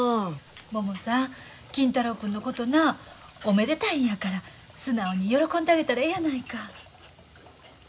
ももさん金太郎君のことなおめでたいんやから素直に喜んであげたらえやないか。